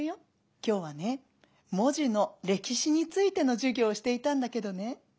今日はね文字の歴史についての授業をしていたんだけどね